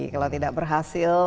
kalau tidak berhasil